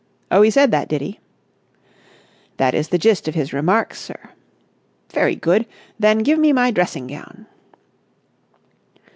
"Oh, he said that, did he?" "That is the gist of his remarks, sir." "Very good! Then give me my dressing gown!"